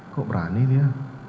kok berani dia